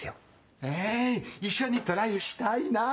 え一緒にトライしたいな！